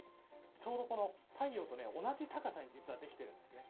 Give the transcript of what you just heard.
ちょうど太陽と同じ高さにできてるんですね。